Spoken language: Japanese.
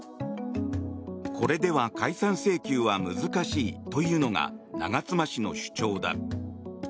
これでは解散請求は難しいというのが長妻氏の主張だ。